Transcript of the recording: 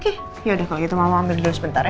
oke yaudah kalau gitu mama ambil dia sebentar ya